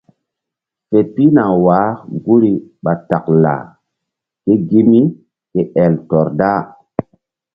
Fe pihna wah guri ɓa taklaa ke gi mí ke el tɔr da.